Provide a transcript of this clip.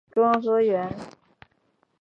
庄河源是台湾的漫画家。